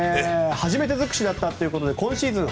初めて尽くしだったということで今シーズン